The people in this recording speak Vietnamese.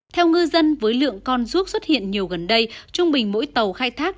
theo ngư dân với lượng con ruốc xuất hiện nhiều gần đây trung bình mỗi tàu khai thác